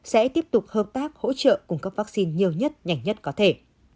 sẽ tiếp tục hợp tác hỗ trợ cung cấp vaccine nhiều nhất nhanh nhất có thể